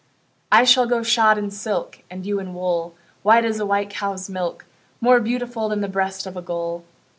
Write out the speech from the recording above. I shall go shod in silk, And you in wool, White as a white cow's milk, More beautiful Than the breast of a gull.